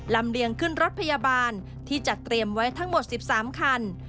เลียงขึ้นรถพยาบาลที่จัดเตรียมไว้ทั้งหมด๑๓คัน